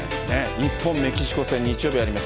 日本、メキシコ戦、日曜日あります。